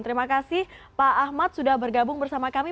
terima kasih pak ahmad sudah bergabung bersama kami